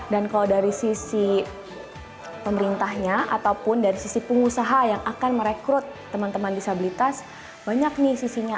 dan kalau dari sisi pemerintahnya ataupun dari sisi pengusaha yang akan merekrut teman teman disabilitas banyak nih sisinya